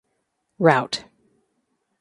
Rt.